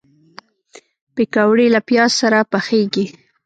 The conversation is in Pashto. پکورې له پیاز سره پخېږي